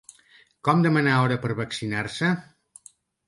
Com demanar hora per a vaccinar-se?